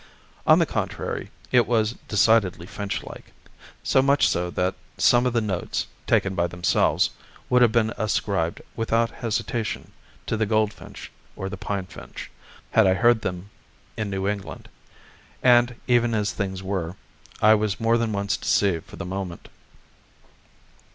On the contrary, it was decidedly finchlike, so much so that some of the notes, taken by themselves, would have been ascribed without hesitation to the goldfinch or the pine finch, had I heard them in New England; and even as things were, I was more than once deceived for the moment.